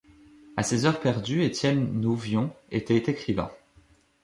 A ses heures perdues, Etienne Nouvion était écrivain.